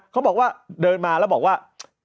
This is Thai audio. เขาบอกว่าเดินมาแล้วบอกว่า